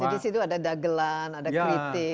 jadi disitu ada dagelan ada kritik politik